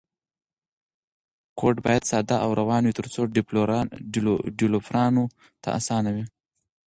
کوډ باید ساده او روان وي ترڅو ډیولپرانو ته اسانه وي.